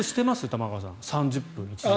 玉川さん３０分、１時間。